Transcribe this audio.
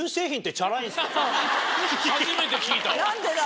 初めて聞いたわ。